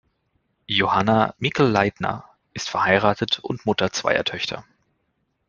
Johanna Mikl-Leitner ist verheiratet und Mutter zweier Töchter.